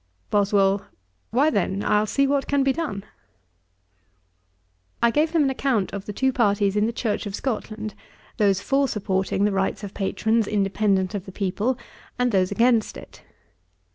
BOSWELL. 'Why then, I'll see what can be done.' I gave him an account of the two parties in the Church of Scotland, those for supporting the rights of patrons, independent of the people, and those against it.